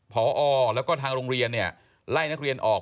พอแล้วก็ทางโรงเรียนไล่นักเรียนออก